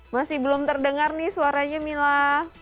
masih belum terdengar nih suaranya mila